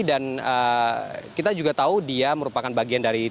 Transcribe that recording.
dan kita juga tahu dia merupakan bagian dari